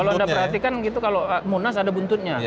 kalau anda perhatikan gitu kalau munas ada buntutnya